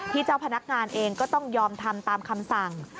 เจ้าพนักงานเองก็ต้องยอมทำตามคำสั่ง